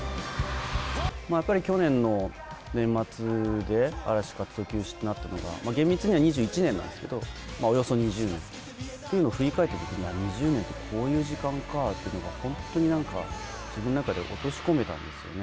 やっぱり去年の年末で、嵐活動休止となったのが、厳密には２１年なんですけど、およそ２０年っていうのを振り返ったときに、２０年ってこういう時間かというのが本当になんか、自分の中で落とし込めたんですよね。